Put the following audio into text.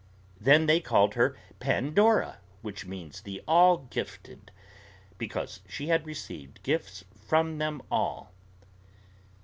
Then they called her Pandora, which means the all gifted, because she had received gifts from them all.